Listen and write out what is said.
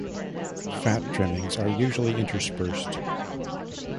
Fat trimmings are usually interspersed.